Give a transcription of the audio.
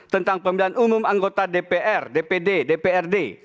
tentang pemilihan umum anggota dpr dpd dprd